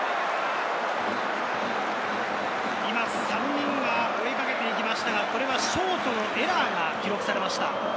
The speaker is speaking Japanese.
３人が追いかけて行きましたが、ショートのエラーが記録されました。